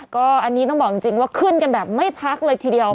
ก็อันนี้ต้องบอกจริงว่าขึ้นกันแบบไม่พักเลยทีเดียว